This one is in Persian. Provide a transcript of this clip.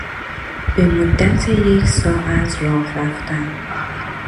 به مدت یک ساعت راه رفتن